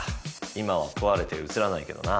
今は壊れて映らないけどな。